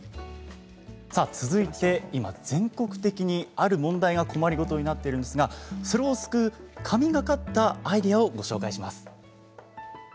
続いて今、全国的にある問題がお困り事になっているんですがそれを救う神がかったアイデアをご紹介します。